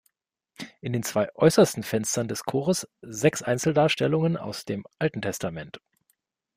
In den zwei äußersten Fenstern des Chores: sechs Einzeldarstellungen aus dem Alten Testament.